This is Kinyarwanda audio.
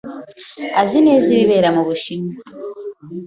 Azi neza ibibera mu Bushinwa.